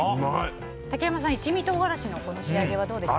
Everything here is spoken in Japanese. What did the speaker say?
竹山さん、一味唐辛子の仕上げはどうですか？